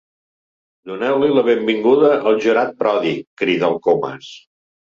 Doneu-li la benvinguda al jurat pròdig —crida el Comas.